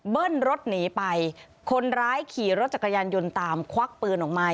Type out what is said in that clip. รถหนีไปคนร้ายขี่รถจักรยานยนต์ตามควักปืนออกมา